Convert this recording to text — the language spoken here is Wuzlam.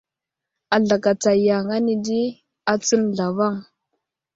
Azlakatsa yaŋ ane di atsən zlavaŋ.